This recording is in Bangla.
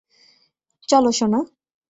চলো, সোনা।